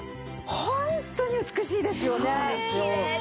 ホントに美しいですよね！